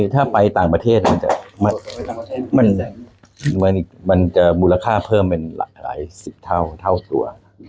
ถ้าไปต่างประเทศมันจะมูลค่าเพิ่มเป็นหลายสิบเท่าตัว